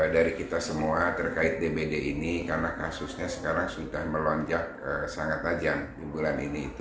dari kita semua terkait dbd ini karena kasusnya sekarang sudah melonjak sangat tajam di bulan ini itu